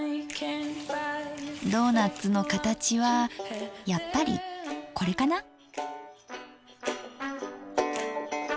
ドーナッツの形はやっぱりこれかな？